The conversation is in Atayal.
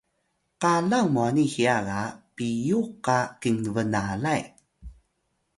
qalang mwani hiya ga piyux qa kinbnalay